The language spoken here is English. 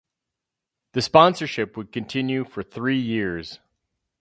The sponsorship would continue for three years.